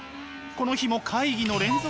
この日も会議の連続。